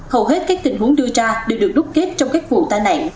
hầu hết các tình huống đưa ra đều được đúc kết trong các vụ tai nạn